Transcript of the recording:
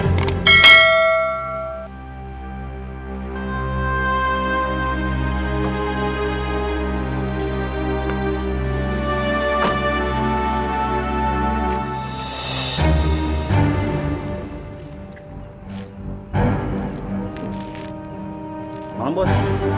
selamat malam bos